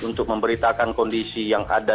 untuk memberitakan kondisi yang ada